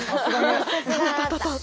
タタタタタッ。